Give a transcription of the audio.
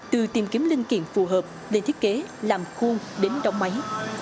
từ tìm kiếm linh kiện phù hợp lên thiết kế làm khuôn đến động máy